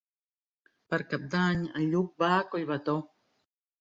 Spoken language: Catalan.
Per Cap d'Any en Lluc va a Collbató.